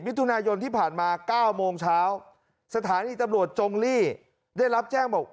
มิถุนายนที่ผ่านมา๙โมงเช้าสถานีตำรวจจงลี่ได้รับแจ้งบอก